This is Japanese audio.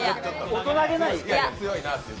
大人げない。